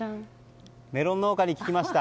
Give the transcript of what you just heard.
メロン農家に聞きました。